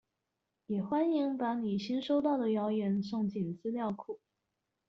也歡迎把你新收到的謠言送進資料庫